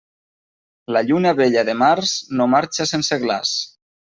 La lluna vella de març no marxa sense glaç.